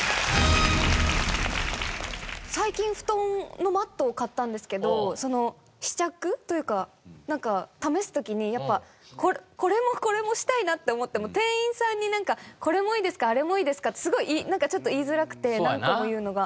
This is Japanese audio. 最近布団のマットを買ったんですけど試着？というか試す時にやっぱこれもこれもしたいなって思っても店員さんにこれもいいですかあれもいいですかってすごいちょっと言いづらくて何個も言うのが。